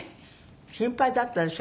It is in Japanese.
心配だったでしょ